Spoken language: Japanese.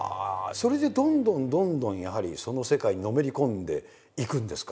それでどんどんどんどんやはりその世界にのめり込んでいくんですか？